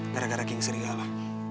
gara gara geng serigala